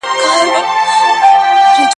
هیوادونه کله د اتباعو ساتنه کوي؟